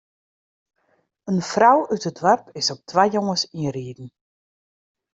In frou út it doarp is op twa jonges ynriden.